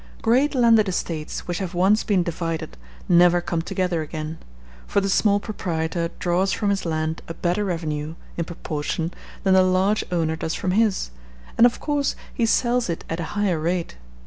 Great landed estates which have once been divided never come together again; for the small proprietor draws from his land a better revenue, in proportion, than the large owner does from his, and of course he sells it at a higher rate.